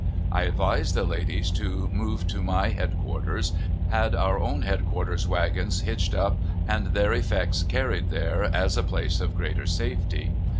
I advised the ladies to move to my headquarters, had our own headquarter wagons hitched up, and their effects carried there, as a place of greater safety.